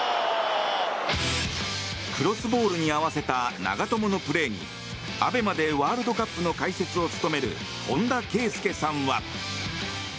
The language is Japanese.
クロスボールに合わせた長友のプレーにＡＢＥＭＡでワールドカップの解説を務める本田圭佑さんは。